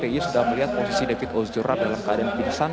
dia sudah melihat posisi david ozora dalam keadaan kebiasaan